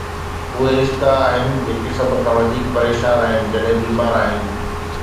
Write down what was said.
اهي رشتا آهن جيڪي سڀ کان وڌيڪ پريشان آهن جڏهن بيمار آهن